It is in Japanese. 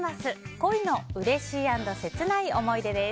恋のうれしい＆切ない思い出です。